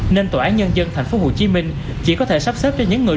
nên tòa án nhân dân tp hcm chỉ có thể sắp xếp cho những người